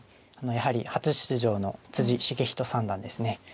やはり初出場の篤仁三段ですね。